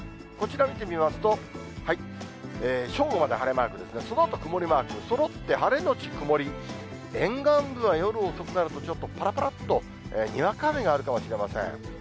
こちら見てみますと、正午まで晴れマークですが、そのあと曇りマーク、そろって晴れ後曇り、沿岸部は夜遅くなると、ちょっとぱらぱらっとにわか雨があるかもしれません。